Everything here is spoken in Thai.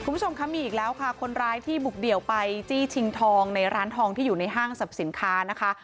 คุณผู้ชมคะมีอีกแล้วค่ะคนร้ายที่บุกเดี่ยวไปจี้ชิงทองในร้านทองที่อยู่ในห้างสรรพสินค้านะคะ